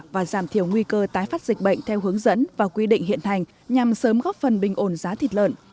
và giảm thiểu nguy cơ tái phát dịch bệnh theo hướng dẫn và quy định hiện hành nhằm sớm góp phần bình ổn giá thịt lợn